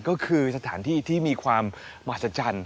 ก็คือสถานที่ที่มีความมหัศจรรย์